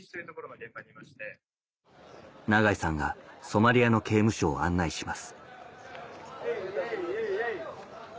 永井さんがソマリアの刑務所を案内します